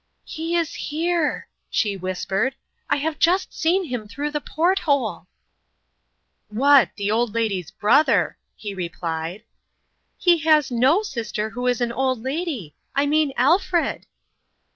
" lie is here," she whispered. " I have just m him through the port hole." " "What the old lady's brother !" he replied. " He has no sister who is an old lady. I mean Alfred."